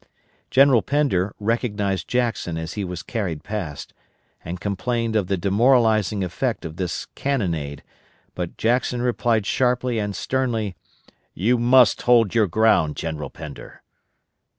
General Pender recognized Jackson as he was carried past, and complained of the demoralizing effect of this cannonade, but Jackson replied sharply and sternly, "You must hold your ground, General Pender."